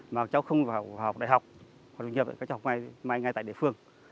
mà cháu không vào học đại học học nghiệp cháu học ngay tại địa phương